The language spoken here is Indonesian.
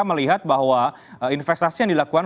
melihat bahwa investasi yang dilakukan